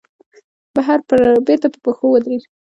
بېرته پر پښو ودرېد.